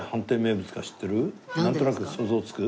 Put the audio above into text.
なんとなく想像つく？